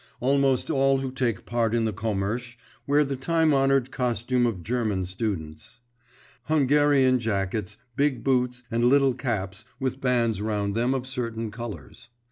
Almost all who take part in the commersh wear the time honoured costume of German students: Hungarian jackets, big boots, and little caps, with bands round them of certain colours.